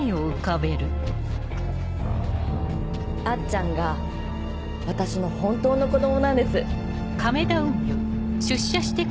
あっちゃんが私の本当の子供なんです。